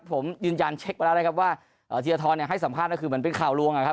ผมยืนยันเช็คไปแล้วนะครับว่าธีรทรให้สัมภาษณ์ก็คือเหมือนเป็นข่าวลวงนะครับ